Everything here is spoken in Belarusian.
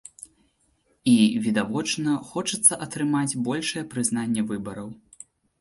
І, відавочна, хочацца атрымаць большае прызнанне выбараў.